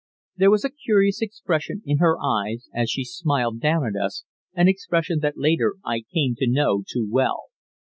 There was a curious expression in her eyes as she smiled down at us, an expression that later I came to know too well.